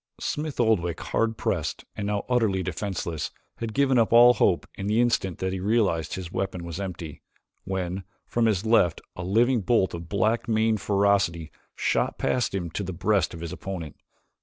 Smith Oldwick, hard pressed and now utterly defenseless, had given up all hope in the instant that he realized his weapon was empty, when, from his left, a living bolt of black maned ferocity shot past him to the breast of his opponent.